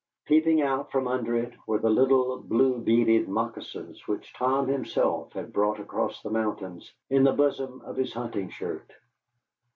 Peeping out from under it were the little blue beaded moccasins which Tom himself had brought across the mountains in the bosom of his hunting shirt.